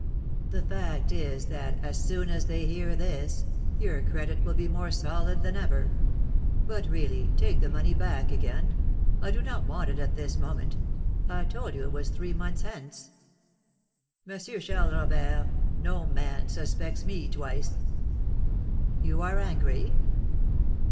"The fact is that, as soon as they hear this, your credit will be more solid than ever. But, really, take the money back again; I do not want it at this moment. I told you it was three months hence." "Monsieur Charles Robert, no man suspects me twice." "You are angry?"